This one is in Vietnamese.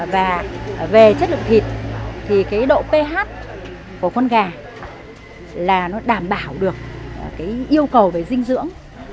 và về chất lượng thịt thì cái độ ph của con gà là nó đảm bảo được yêu cầu về dinh dưỡng